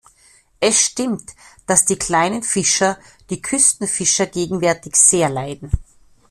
Es stimmt, dass die kleinen Fischer, die Küstenfischer, gegenwärtig sehr leiden.